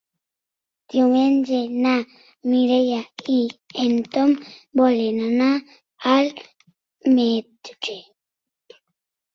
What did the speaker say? Diumenge na Mireia i en Tom volen anar al metge.